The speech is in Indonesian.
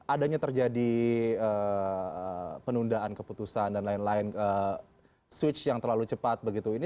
adanya terjadi penundaan keputusan dan lain lain switch yang terlalu cepat begitu ini